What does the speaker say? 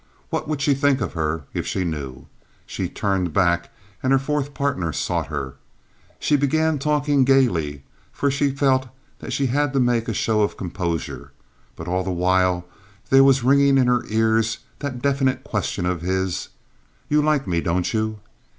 What would she think of her if she knew? She turned back, and her fourth partner sought her. She began talking gayly, for she felt that she had to make a show of composure; but all the while there was ringing in her ears that definite question of his, "You like me, don't you?"